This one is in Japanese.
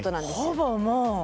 ほぼもう。